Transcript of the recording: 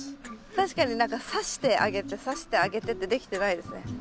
確かに何かさして上げてさして上げてってできてないですね。